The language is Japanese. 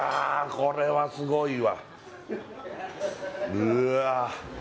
これはすごいわうわ